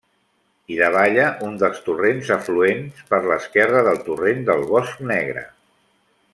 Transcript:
Hi davalla un dels torrents afluents per l'esquerra del torrent del Bosc Negre.